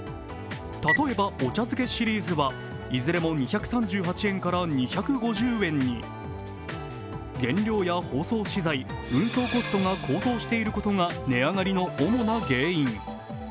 例えばお茶づけシリーズはいずれも２３８円から２５０円に。原料や包装資材、運送コストが高騰していることが値上がりの主な原因。